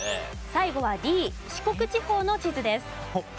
最後はＤ四国地方の地図です。